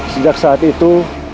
sejak saat itu